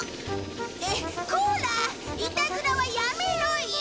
コラいたずらはやめろよ。